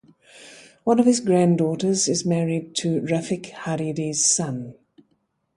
One of his granddaughters is married to Rafik Hariri's son.